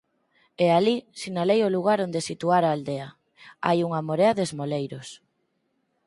E alí –sinalei o lugar onde situara a aldea– hai unha morea de esmoleiros.